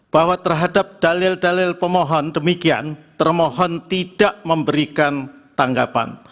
bahwa terhadap dalil dalil pemohon demikian termohon tidak memberikan tanggapan